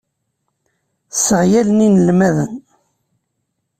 Sseɣyalen inelmaden.